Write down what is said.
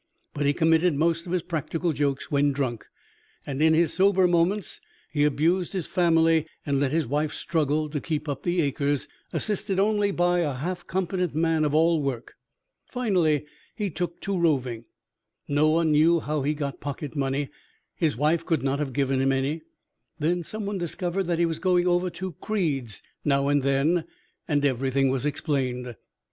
But he committed most of his practical jokes when drunk, and in his sober moments he abused his family and let his wife struggle to keep up the acres, assisted only by a half competent man of all work. Finally he took to roving. No one knew how he got pocket money; his wife could not have given him any. Then someone discovered that he was going over to Creed's now and then, and everything was explained."